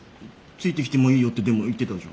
ついてきてもいいよってでも言ってたじゃん。